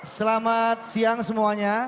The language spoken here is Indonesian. selamat siang semuanya